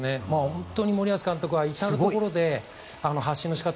本当に森保監督は至るところで発信の仕方